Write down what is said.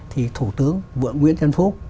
thì thủ tướng vượng nguyễn trần phúc